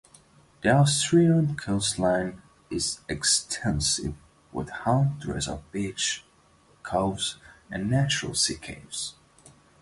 The Asturian coastline is extensive, with hundreds of beaches, coves and natural sea caves.